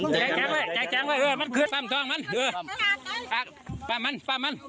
ใจแข็งไว้ใจแข็งไว้เออมันคืนปั๊มทองมันเออปั๊มมันปั๊มมัน